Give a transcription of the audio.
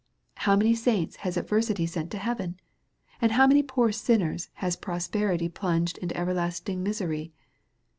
How many saints has adversity sent to heaven ! And how many poor sinners has prosperity plunged into everlasting misery